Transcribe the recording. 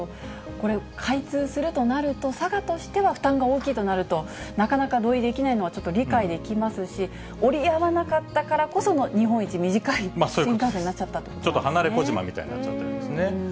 これ、開通するとなると、佐賀としては負担が大きいとなると、なかなか同意できないのは、ちょっと理解できますし、折り合わなかったからこその日本一短い新幹線になっちゃったといちょっと離れ小島になっちゃってるんですね。